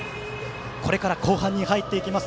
これから後半に入っていきます。